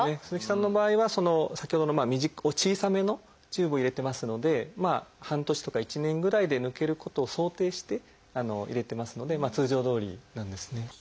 鈴木さんの場合は先ほどの小さめのチューブを入れてますので半年とか１年ぐらいで抜けることを想定して入れてますので通常どおりなんですね。